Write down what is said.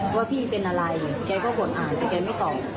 ว่าพี่เป็นอะไรแกก็อดอ่านแต่แกไม่ตอบ